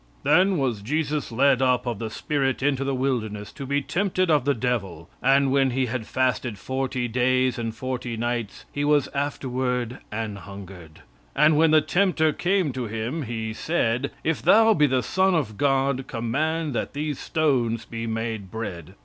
"Then was Jesus led up of the Spirit into the wilderness to be tempted of the devil. "And when he had fasted forty days and forty nights, he was afterward an hungered. "And when the tempter came to him, he said, If thou be the Son of God, command that these stones be made bread.